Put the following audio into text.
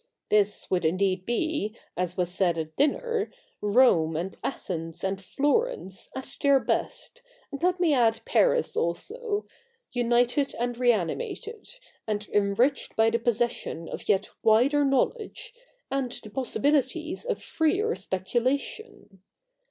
This would indeed be, as was said at dinner, Rome and Athens and Florence, at their best, and let me add Paris also, united and reanimated, and Q 242 THE NEW REPUBLIC [rk. v enriched by the possession of yet wider knowledge, and the possibiHties of freer speculation.